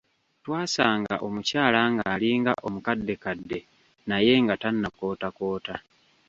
Twasanga omukyala ng’alinga omukaddekadde naye nga tannakoootakoota.